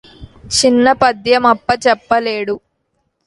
చిన్న పద్యమప్ప జెప్పలేడు